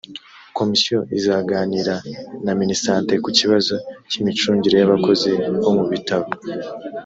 komisiyo izaganira na minisante ku kibazo cy imicungire y abakozi bo mu bitaro